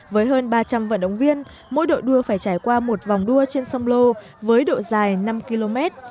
với hơn ba trăm linh vận động viên mỗi đội đua phải trải qua một vòng đua trên sông lô với độ dài năm km